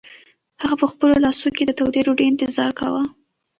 هغه په خپلو لاسو کې د تودې ډوډۍ انتظار کاوه.